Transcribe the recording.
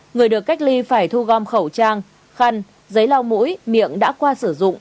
người được cách ly phải thu gom khẩu trang khăn giấy lau mũi miệng đã qua sử dụng